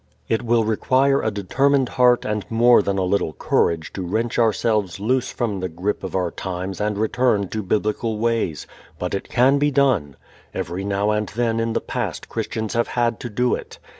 It will require a determined heart and more than a little courage to wrench ourselves loose from the grip of our times and return to Biblical ways. But it can be done. Every now and then in the past Christians have had to do it.